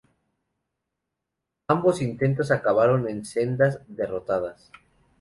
Ambos intentos acabaron en sendas derrotas.